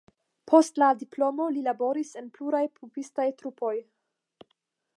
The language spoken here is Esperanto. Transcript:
Post la diplomo li laboris en pluraj pupistaj trupoj.